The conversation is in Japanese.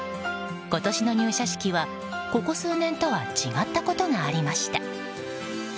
今年の入社式はここ数年とは違ったことがありました。